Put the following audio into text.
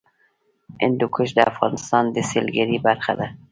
هندوکش د افغانستان د سیلګرۍ برخه ده.